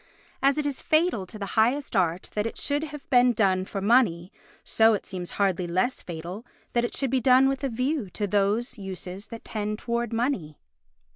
As it is fatal to the highest art that it should have been done for money, so it seems hardly less fatal that it should be done with a view to those uses that tend towards money.